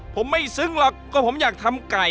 ผมไม่ซึ้งหรอกก็ผมอยากทำไก่